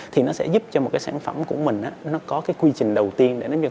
thì nó sẽ giúp cho một cái sản phẩm của mình nó có cái quy trình đầu tiên để